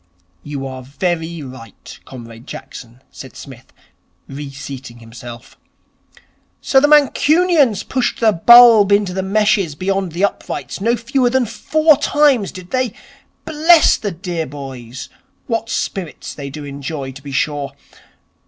'You are very right, Comrade Jackson,' said Psmith, reseating himself. 'So the Mancunians pushed the bulb into the meshes beyond the uprights no fewer than four times, did they? Bless the dear boys, what spirits they do enjoy, to be sure.